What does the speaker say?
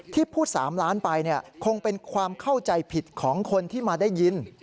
พูด๓ล้านไปคงเป็นความเข้าใจผิดของคนที่มาได้ยิน